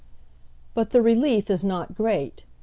But the relief is not great.